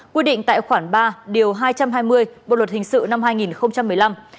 quy định tại khoản ba điều hai trăm hai mươi bộ luật hình sự năm hai nghìn một mươi năm